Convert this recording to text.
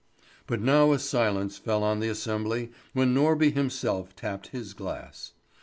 But now a silence fell on the assembly when Norby himself tapped his glass.